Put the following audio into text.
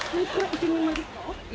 １人前ですか？